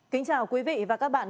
kính chào quý vị và các bạn